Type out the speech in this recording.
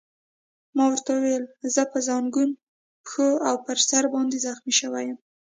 ما ورته وویل: زه په زنګون، پښو او پر سر باندې زخمي شوی یم.